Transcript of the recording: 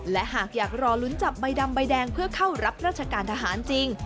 และหากอยากรอลุ้นจับใบดำใบแดงเพื่อเข้ารับราชการทหารจริง